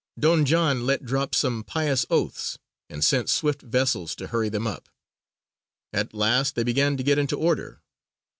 Don John let drop some pious oaths, and sent swift vessels to hurry them up. At last they began to get into order.